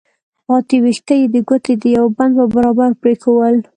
پاتې ويښته يې د ګوتې د يوه بند په برابر پرېښوول.